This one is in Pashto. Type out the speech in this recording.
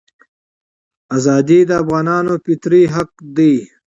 ازادي د افغانانو فطري حق دی.